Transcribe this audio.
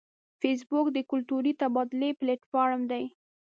فېسبوک د کلتوري تبادلې پلیټ فارم دی